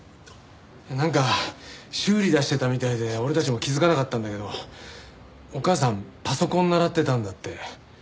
なんか修理出してたみたいで俺たちも気づかなかったんだけどお母さんパソコン習ってたんだって。